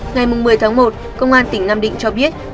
ngày một mươi tháng một công an tỉnh nam định cho biết